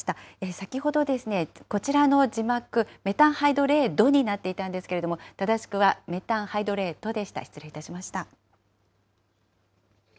先ほどですね、こちらの字幕、メタンハイドレードになっていたんですけれども、正しくはメタンハイドレートでした、失礼いたしました。